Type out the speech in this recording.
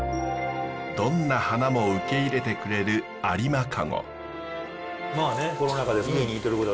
どんな花も受け入れてくれる有馬籠。